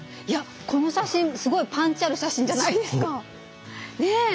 いやこの写真すごいパンチある写真じゃないですかねえ。